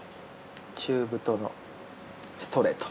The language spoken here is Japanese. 中太のストレート。